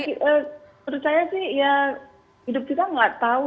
tapi menurut saya sih ya hidup kita nggak tahu